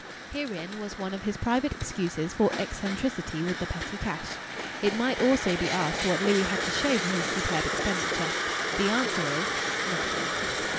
Herein was one of his private excuses for eccentricity with the petty cash. It may also be asked what Louis had to show for his superb expenditure. The answer is, nothing.